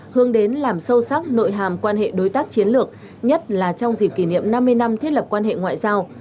hướng đến làm sâu sắc nội hàm quan hệ đối tác chiến lược nhất là trong dịp kỷ niệm năm mươi năm thiết lập quan hệ ngoại giao